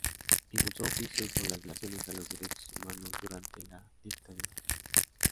Impulsó juicios por las violaciones a los derechos humanos durante la dictadura.